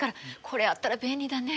これあったら便利だね。